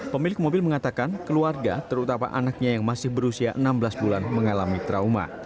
pemilik mobil mengatakan keluarga terutama anaknya yang masih berusia enam belas bulan mengalami trauma